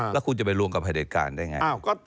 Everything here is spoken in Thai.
แล้วคุณจะไปร่วมกับประเด็นการได้ไง